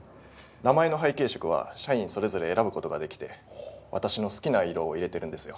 名前の背景色は社員それぞれ選ぶことができて私の好きな色を入れてるんですよ。